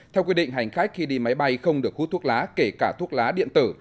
theo quy định hành khách khi đi máy bay không được hút thuốc lá kể cả thuốc lá điện tử